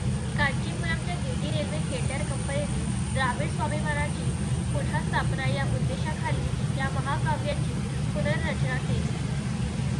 कांचीपुरमच्या gaiety railway theatre कंपनीने द्राविड स्वाभिमानाची पुनःस्थापना या उद्देशाखाली या महाकाव्याची पुनर्रचना केली.